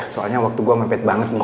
soalnya waktu gua mempet banget nih